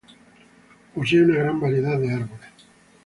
Posee una gran variedad de árboles.